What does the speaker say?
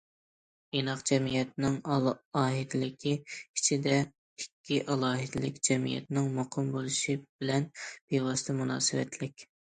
ئىناق جەمئىيەتنىڭ ئالاھىدىلىكى ئىچىدە ئىككى ئالاھىدىلىك جەمئىيەتنىڭ مۇقىم بولۇشى بىلەن بىۋاسىتە مۇناسىۋەتلىك.